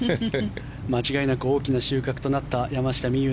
間違いなく大きな収穫となった山下美夢